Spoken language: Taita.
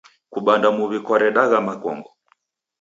Kubanda muw'i kwaredagha makongo.